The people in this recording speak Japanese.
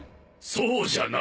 そうじゃな。